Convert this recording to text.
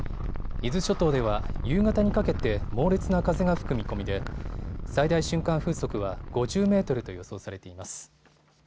伊豆諸島では夕方にかけて猛烈な風が吹く見込みで最大瞬間風速は５０メートルと予想されています。